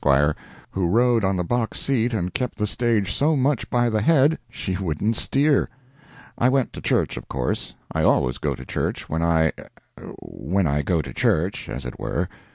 who rode on the box seat and kept the stage so much by the head she wouldn't steer. I went to church, of course,—I always go to church when I—when I go to church—as it were.